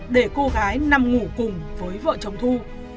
để cô gái nằm ngủ cùng với vợ chồng thu